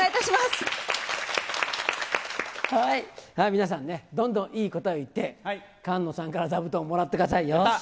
皆さんね、どんどんいい答えを言って、菅野さんから座布団もらってください。